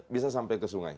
bisa sampai ke sungai